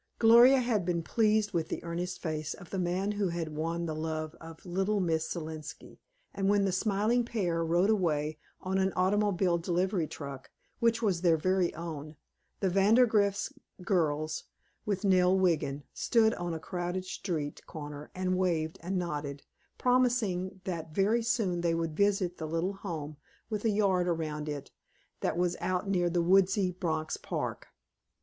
Gloria had been pleased with the earnest face of the man who had won the love of little Miss Selenski, and when the smiling pair rode away on an automobile delivery truck, which was their very own, the Vandergrift girls, with Nell Wiggin, stood on a crowded street corner and waved and nodded, promising that very soon they would visit the little home, with a yard around it, that was out near the woodsy Bronx Park.